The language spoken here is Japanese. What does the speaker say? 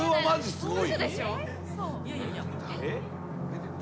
すごい。